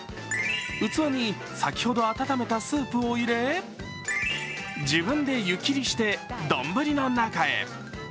器に先ほど温めたスープを入れ、自分で湯切りして、丼の中へ。